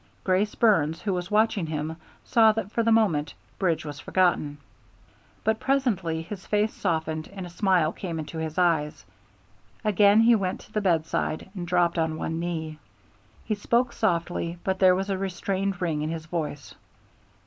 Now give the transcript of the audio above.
Grace Burns, who was watching him, saw that for the moment Bridge was forgotten. But presently his face softened and a smile came into his eyes. Again he went to the bedside and dropped on one knee. He spoke softly, but there was a restrained ring in his voice.